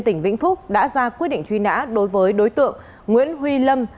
tỉnh vĩnh phúc đã ra quyết định truy nã đối với đối tượng nguyễn huy lâm